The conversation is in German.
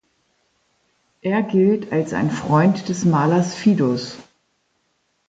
Er gilt als ein Freund des Malers Fidus.